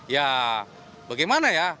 ya bagaimana ya